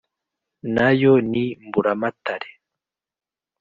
Na yo ni Mburamatare.